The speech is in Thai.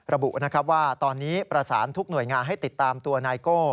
ระบุนะครับว่าตอนนี้ประสานทุกหน่วยงานให้ติดตามตัวนายโก้